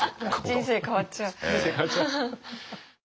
人生変わっちゃう。